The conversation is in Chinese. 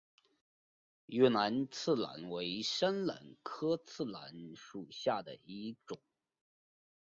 越南刺榄为山榄科刺榄属下的一个种。